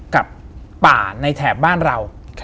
กับป่าในแถบบ้านเรา